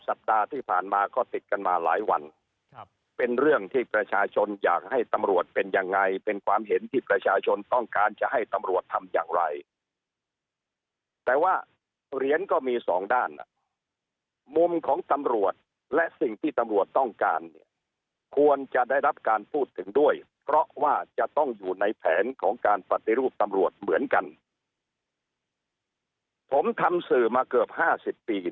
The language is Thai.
สัปดาห์ที่ผ่านมาก็ติดกันมาหลายวันครับเป็นเรื่องที่ประชาชนอยากให้ตำรวจเป็นยังไงเป็นความเห็นที่ประชาชนต้องการจะให้ตำรวจทำอย่างไรแต่ว่าเหรียญก็มีสองด้านอ่ะมุมของตำรวจและสิ่งที่ตำรวจต้องการเนี่ยควรจะได้รับการพูดถึงด้วยเพราะว่าจะต้องอยู่ในแผนของการปฏิรูปตำรวจเหมือนกันผมทำสื่อมาเกือบห้าสิบปี